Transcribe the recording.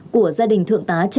của gia đình thượng tá trần tư hải